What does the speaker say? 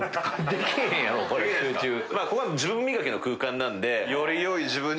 ここは自分磨きの空間なんで。